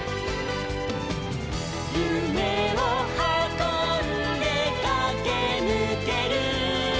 「ゆめをはこんでかけぬける」